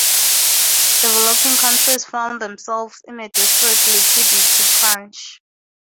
Developing countries found themselves in a desperate liquidity crunch.